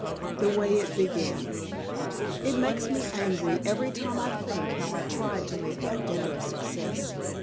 THE WAY IT BEGAN It makes me angry every time I think how I tried to make that dinner a success.